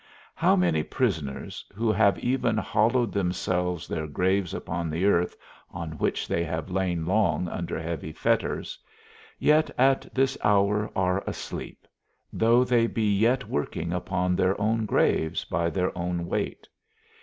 How many prisoners, who have even hollowed themselves their graves upon that earth on which they have lain long under heavy fetters, yet at this hour are asleep, though they be yet working upon their own graves by their own weight?